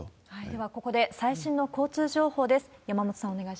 ではここで、最新の交通情報です。